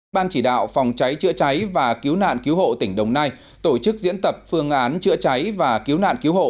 ban chỉ đạo phòng cháy chữa cháy và cứu nạn cứu hộ tỉnh đồng nai tổ chức diễn tập phương án chữa cháy và cứu nạn cứu hộ